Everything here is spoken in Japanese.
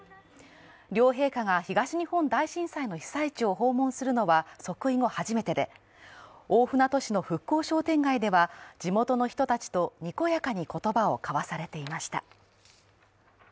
両陛下が東日本大震災の被災地を訪問するのは即位後初めてで大船渡市の復興商店街では地元の人たちとにこやかに言葉を交わされていました。